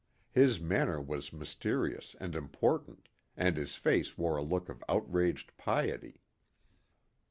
His manner was mysterious and important, and his face wore a look of outraged piety.